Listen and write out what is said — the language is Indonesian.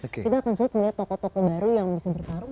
kita akan sulit melihat tokoh tokoh baru yang bisa bertarung